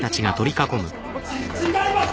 違います！